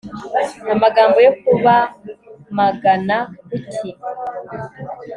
amagambo yo kubamagana kuki